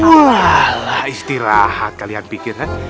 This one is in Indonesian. alah istirahat kalian pikirkan